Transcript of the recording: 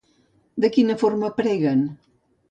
De quina forma preguen?